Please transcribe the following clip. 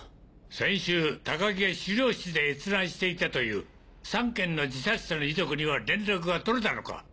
先週高木が資料室で閲覧していたという３件の自殺者の遺族には連絡が取れたのか？